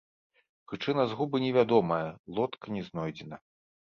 Прычына згубы невядомая, лодка не знойдзена.